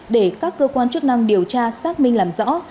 để các cơ quan chức năng điều tra xác minh làm rõ